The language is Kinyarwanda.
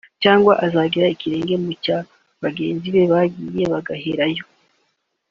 Cyangwa azagera ikirenge mu cya bagenzi be bagiye bagaherayo